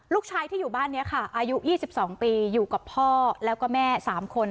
ลูกชายที่อยู่บ้านนี้ค่ะอายุ๒๒ปีอยู่กับพ่อแล้วก็แม่๓คน